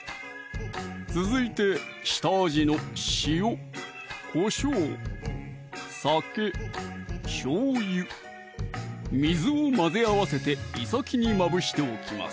続いて下味の塩・こしょう・酒・しょうゆ・水を混ぜ合わせていさきにまぶしておきます